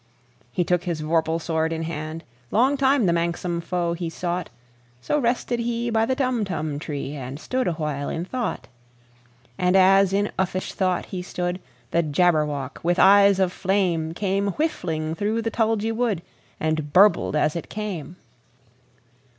He took his vorpal sword in hand:Long time the manxome foe he sought—So rested he by the Tumtum tree, And stood awhile in thought. And as in uffish thought he stood, The Jabberwock, with eyes of flame, Came whiffling through the tulgey wood, And burbled as it came!